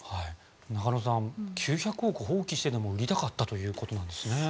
中野さん９００億円を放棄してでも売りたかったということですね。